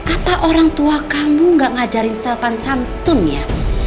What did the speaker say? apa orang tua kamu gak ngajarin selkan santun ya